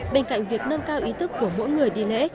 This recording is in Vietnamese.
bên cạnh việc nâng cao ý thức của mỗi người đi lễ